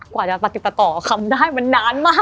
กว่าจะปฏิบัติต่อคำได้มันนานมาก